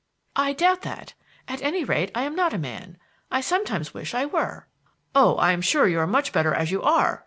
"I doubt that. At any rate, I am not a man. I sometimes wish I were." "Oh, I am sure you are much better as you are!"